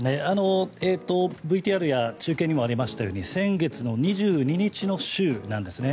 ＶＴＲや中継にもありましたように先月の２２日の週なんです。